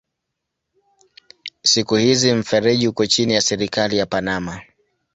Siku hizi mfereji uko chini ya serikali ya Panama.